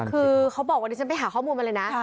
คือเขาบอกวันนี้ฉันไปหาข้อมูลมาเลยนะ